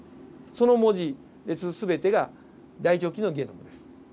その文字列全てが大腸菌のゲノムです。